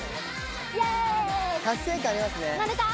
達成感ありますねのれた！